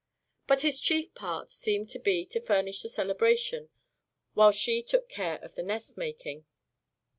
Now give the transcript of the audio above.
But his chief part seemed to be to furnish the celebration, while she took care of the nest making.